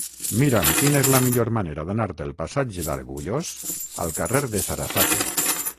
Mira'm quina és la millor manera d'anar del passatge d'Argullós al carrer de Sarasate.